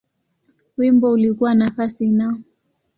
Wimbo ulikuwa nafasi Na.